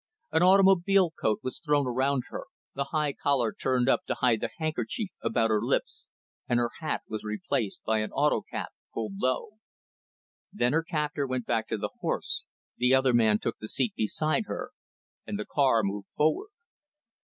An automobile coat was thrown around her, the high collar turned up to hide the handkerchief about her lips, and her hat was replaced by an "auto cap," pulled low. Then her captor went back to the horse; the other man took the seat beside her; and the car moved forward.